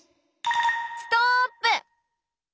ストップ。